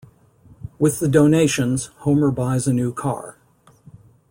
With the donations, Homer buys a new car.